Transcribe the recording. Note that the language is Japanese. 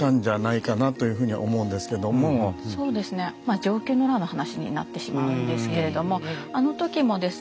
承久の乱の話になってしまうんですけれどもあの時もですね